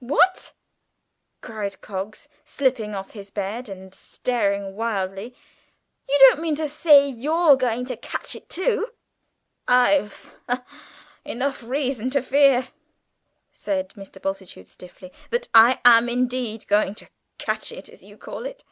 "What!" cried Coggs, slipping off his bed and staring wildly: "you don't mean to say you're going to catch it too?" "I've ah every reason to fear," said Mr. Bultitude stiffly, "that I am indeed going to 'catch it,' as you call it."